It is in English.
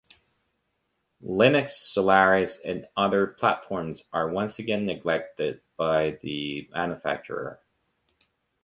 Linux, Solaris and other platforms are once again neglected by the manufacturer.